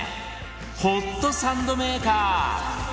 ホットサンドメーカー！